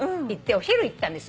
お昼行ったんです。